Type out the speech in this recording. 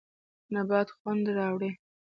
نبات خوند راوړي.